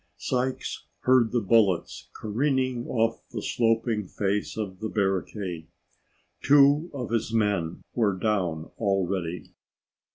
Sykes heard the bullets careening off the sloping face of the barricade. Two of his men were down already.